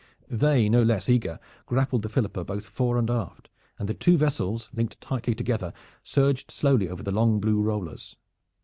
They, no less eager, grappled the Philippa both fore and aft, and the two vessels, linked tightly together, surged slowly over the long blue rollers.